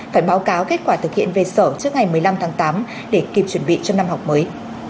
phải báo cáo kết quả thực hiện về sở trước ngày một mươi năm tháng tám để kịp chuẩn bị cho năm học mới